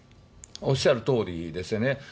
おっしゃるとおりですよね。